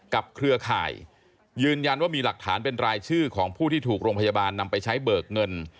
เครือข่ายยืนยันว่ามีหลักฐานเป็นรายชื่อของผู้ที่ถูกโรงพยาบาลนำไปใช้เบิกเงิน